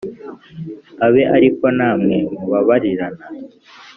abe ari ko namwe mubabarirana